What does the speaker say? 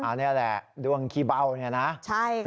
อันนี้แหละดวงขี้เบาเนี่ยนะใช่ค่ะ